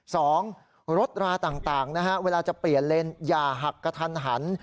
สองรถราต่างนะฮะเวลาจะเปลี่ยนเลนอย่าหักกระทันหัน